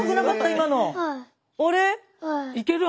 今の。